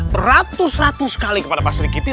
beratus ratus kali kepada pak sergiti